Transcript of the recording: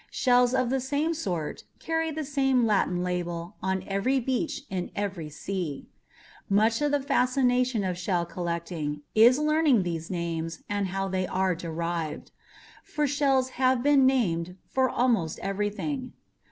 Shells of the same sort carry the same Latin label on every beach in every sea. Much of the fascination of shell collecting is learning these names and how they were derived. .. for shells have been named for almost everything.